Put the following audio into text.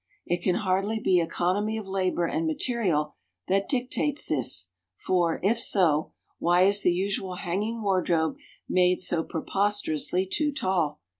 It can hardly be economy of labour and material that dictates this, for if so why is the usual hanging wardrobe made so preposterously too tall?